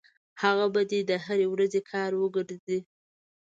هغه به دې د هرې ورځې کار وګرځي.